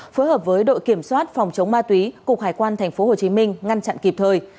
phối hợp với đội kiểm soát phòng chống ma túy cục hải quan tp hcm ngăn chặn kịp thời